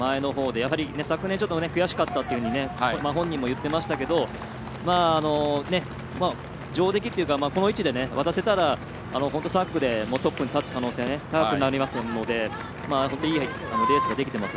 やはり昨年、ちょっと悔しかったと本人も言っていましたけど上出来っていうかこの位置で渡せたら本当に３区でトップに立つ可能性が高くなりますのでいいレースができています。